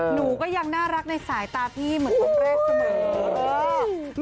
หนูก็ยังน่ารักในสายตาพี่เหมือนคนแรกเสมอ